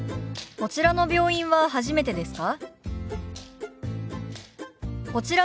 「こちらの病院は初めてですか？」。